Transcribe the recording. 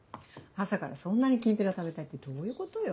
朝からそんなにきんぴら食べたいってどういうことよ？